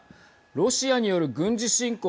ロシアによる軍事侵攻